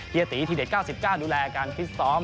เฮียตีทีเด็ด๙๙ดูแลการฟิศทรอม